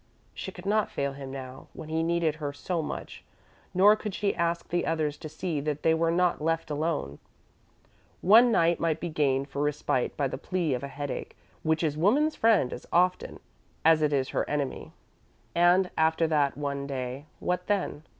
She could not fail him now, when he needed her so much, nor could she ask the others to see that they were not left alone. One day might be gained for respite by the plea of a headache, which is woman's friend as often as it is her enemy. And, after that one day, what then?